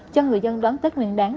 cho người dân đón tết nguyên đáng